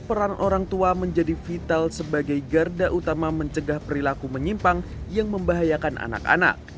peran orang tua menjadi vital sebagai garda utama mencegah perilaku menyimpang yang membahayakan anak anak